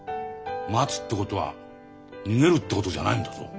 待つってことは逃げるってことじゃないんだぞ。